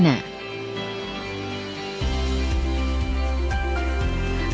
yang disebut sistem informasi penyediaan dana